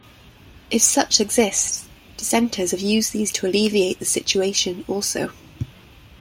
If such exist, dissenters have used these to alleviate the situation, also.